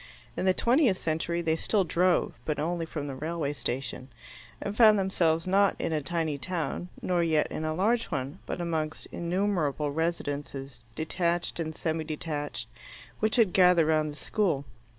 In the twentieth century they still drove, but only from the railway station; and found themselves not in a tiny town, nor yet in a large one, but amongst innumerable residences, detached and semi detached, which had gathered round the school.